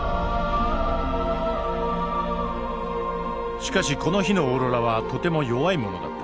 しかしこの日のオーロラはとても弱いものだった。